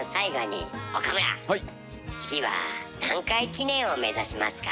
次は何回記念を目指しますか？